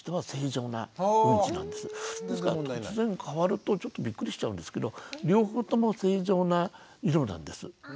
ですから突然変わるとちょっとびっくりしちゃうんですけど両方とも正常な色なんです。